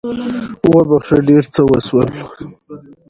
ژمی د افغانستان د زرغونتیا نښه ده.